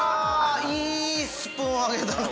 いいスプーン上げだなあ。